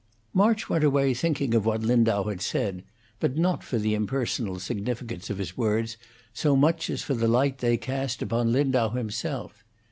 March went away thinking of what Lindau had said, but not for the impersonal significance of his words so much as for the light they cast upon Lindau himself.